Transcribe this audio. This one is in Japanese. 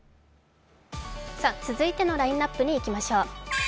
続いてのラインナップにいきましょう。